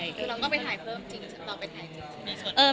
คือเราก็ไปถ่ายเพิ่มจริงต่อไปถ่ายเพิ่ม